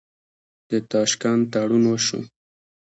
د تاشکند تړون وشو.